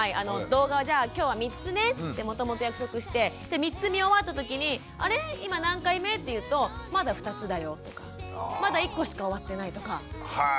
「動画じゃあ今日は３つね」ってもともと約束してじゃ３つ見終わったときに「あれ？今何回目？」って言うと「まだ２つだよ」とか「まだ１個しか終わってない」とか。